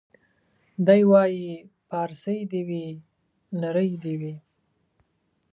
دی وايي پارسۍ دي وي نرۍ دي وي